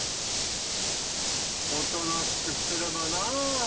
おとなしくしてればなぁ。